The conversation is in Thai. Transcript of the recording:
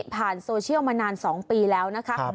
ผ่านโซเชียลมานาน๒ปีแล้วนะคะ